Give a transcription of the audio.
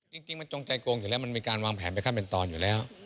จริงมันจงใจโกงอยู่แล้วมันมีการวางแผนไปขั้นเป็นตอนอยู่แล้ว